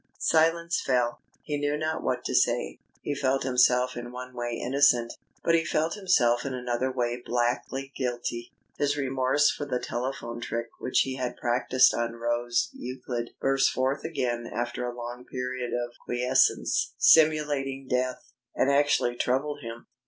Silence fell. He knew not what to say. He felt himself in one way innocent, but he felt himself in another way blackly guilty. His remorse for the telephone trick which he had practised on Rose Euclid burst forth again after a long period of quiescence simulating death, and actually troubled him....